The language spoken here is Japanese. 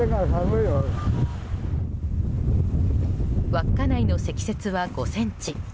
稚内の積雪は５ｃｍ。